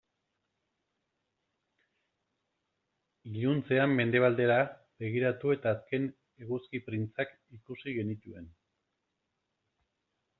Iluntzean mendebaldera begiratu eta azken eguzki printzak ikusi genituen.